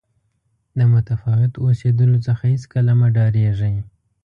د متفاوت اوسېدلو څخه هېڅکله مه ډارېږئ.